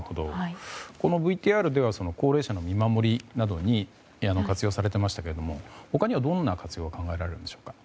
このＶＴＲでは高齢者の見守りなどに活用されていましたが他にはどんな活用が考えられるんでしょうか。